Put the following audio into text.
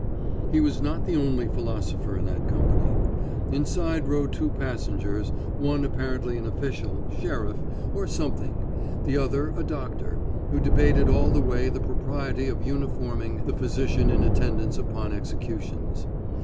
He was not the only philosopher in that company. Inside rode two passengers, one apparently an official, sheriff, or something, the other a doctor, who debated all the way the propriety of uniforming the physician in attendance upon executions.